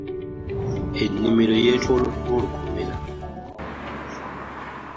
Ennimiro yeetooloddwa olukomera.